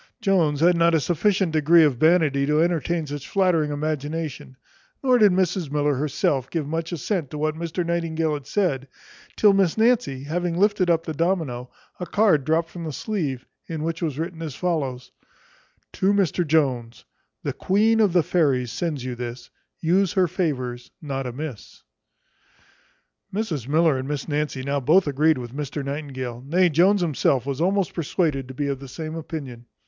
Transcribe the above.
Jones had not a sufficient degree of vanity to entertain any such flattering imagination; nor did Mrs Miller herself give much assent to what Mr Nightingale had said, till Miss Nancy having lifted up the domino, a card dropt from the sleeve, in which was written as follows: To MR JONES. The queen of the fairies sends you this; Use her favours not amiss. Mrs Miller and Miss Nancy now both agreed with Mr Nightingale; nay, Jones himself was almost persuaded to be of the same opinion.